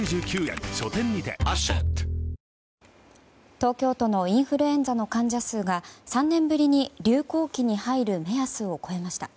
東京都のインフルエンザの患者数が３年ぶりに流行期に入る目安を超えました。